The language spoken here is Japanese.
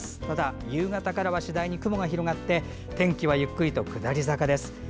ただ夕方からは次第に雲が広がって天気はゆっくりと下り坂です。